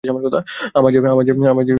আমায় যে বলো নি কিছু?